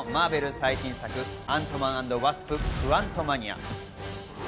最新作『アントマン＆ワスプ：クアントマニア』。